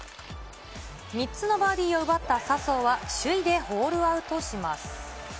３つのバーディーを奪った笹生は、首位でホールアウトします。